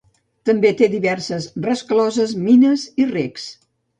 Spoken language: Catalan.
També té diverses rescloses, mines i recs.